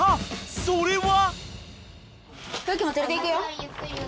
［それは］